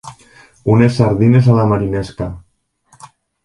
Unes sardines a la marinesca.